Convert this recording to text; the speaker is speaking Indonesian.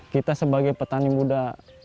kita sebagai petani muda